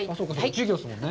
授業ですもんね。